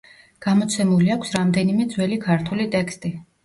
გამოცემული აქვს რამდენიმე ძველი ქართული ტექსტი.